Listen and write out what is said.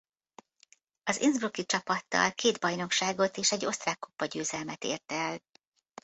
Az innsbrucki csapattal két bajnokságot és egy osztrák kupagyőzelmet ért el.